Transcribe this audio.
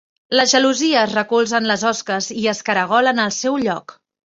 La gelosia es recolza en les osques i es caragola en el seu lloc.